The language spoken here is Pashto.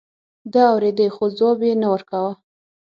ده اورېدې خو ځواب يې نه ورکاوه.